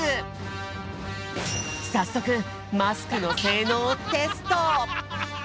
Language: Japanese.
さっそくマスクのせいのうをテスト！